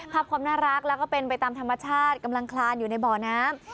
ความน่ารักแล้วก็เป็นไปตามธรรมชาติกำลังคลานอยู่ในบ่อน้ำ